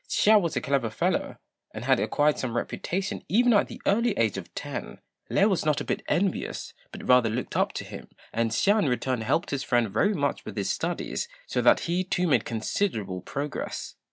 Hsia was a clever fellow, and had acquired some reputation even at the early age of ten. Lê was not a bit envious, but rather looked up to him, and Hsia in return helped his friend very much with his studies, so that he, too, made considerable progress.